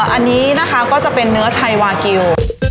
อันนี้ก็จะเป็นเนื้อชัยวาเกิย์